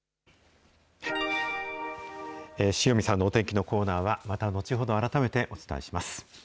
塩見さんのお天気のコーナーは、また後ほど改めてお伝えします。